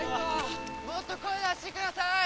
もっと声出してください！